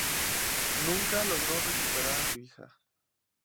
Nunca logró recuperar a su hija.